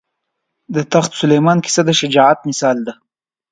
د تخت سلیمان کیسه د شجاعت مثال ده.